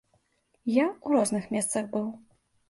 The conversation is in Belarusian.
Я ў розных месцах быў.